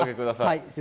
はい。